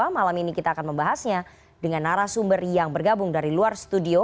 malam ini kita akan membahasnya dengan narasumber yang bergabung dari luar studio